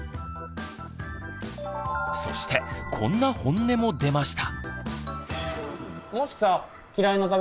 そしてこんなホンネも出ました。